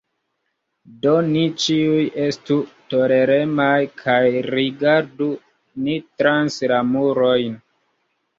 Do ni ĉiuj estu toleremaj kaj rigardu ni trans la murojn!